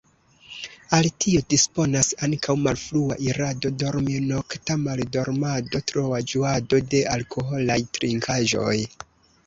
Al tio disponas ankaŭ malfrua irado dormi, nokta maldormado, troa ĝuado de alkoholaj trinkaĵoj.